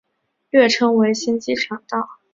略称为新机场道。